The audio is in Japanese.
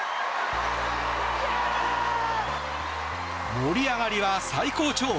盛り上がりは最高潮。